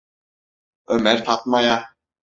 Ömer Fatma’ya: